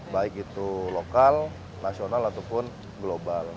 baik itu lokal nasional ataupun global